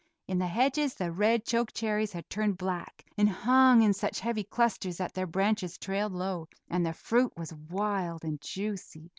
In the hedges the red choke cherries had turned black and hung in such heavy clusters that their branches trailed low, and the fruit was wild and juicy.